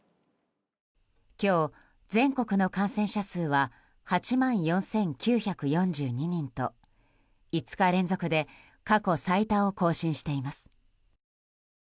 今日、全国の感染者数は８万４９４２人と５日連続で過去最多を更新しています。